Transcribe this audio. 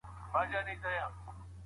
دوی باید هره ورځ ورزش وکړي.